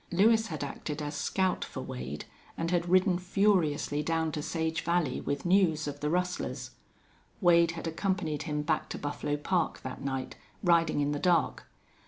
Lewis had acted as scout for Wade, and had ridden furiously down to Sage Valley with news of the rustlers. Wade had accompanied him back to Buffalo Park that night, riding in the dark.